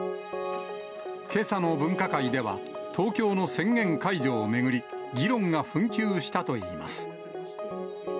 けさの分科会では、東京の宣言解除を巡り、議論が紛糾したといいます。